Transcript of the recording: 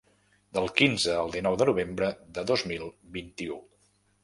Del quinze al dinou de novembre de dos mil vint-i-u.